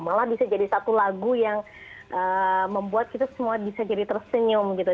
malah bisa jadi satu lagu yang membuat kita semua bisa jadi tersenyum gitu